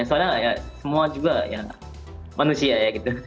soalnya ya semua juga ya manusia ya gitu